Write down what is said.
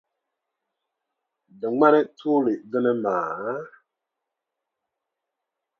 Di ŋmani tuuli dini maa?